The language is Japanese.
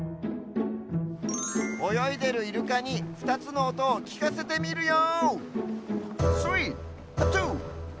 およいでるイルカに２つのおとをきかせてみるよ！